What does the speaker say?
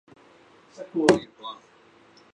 大多的升力都产生于翼展的内部。